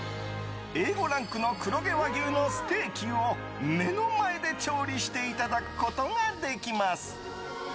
Ａ５ランクの黒毛和牛のステーキを目の前で調理していただくことができます。